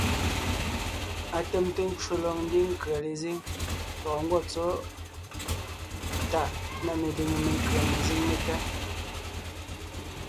Atèmte ncwò lɔg ńdiŋ nkʉ̀a lezíŋ lɔgɔ ńgwɔ́ tsɔ̌ tàʼ na meliŋé menkʉ̀a mezíŋ métá.